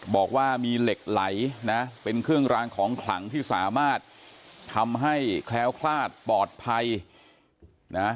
บอกว่ามีเหล็กไหลนะเป็นเครื่องรางของขลังที่สามารถทำให้แคล้วคลาดปลอดภัยนะ